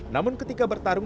namun ketika bertarung